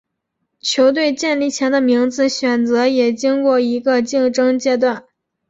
球队建立前的名字选择也经过一个竞争阶段。